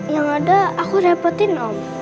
yang ada aku repotin om